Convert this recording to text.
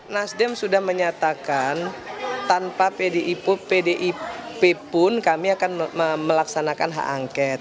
nasdem sudah menyatakan tanpa pdip pun kami akan melaksanakan hak angket